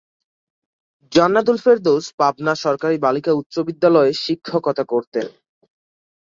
জান্নাতুল ফেরদৌস পাবনা সরকারি বালিকা উচ্চ বিদ্যালয়ে শিক্ষকতা করতেন।